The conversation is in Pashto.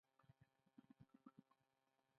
تلوسه مې تر پخوا نوره هم زیاته شوه.